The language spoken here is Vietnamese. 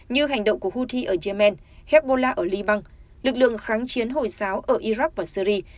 như hành động của houthi ở yemen hezbollah ở liban lực lượng kháng chiến hồi giáo ở iraq và syri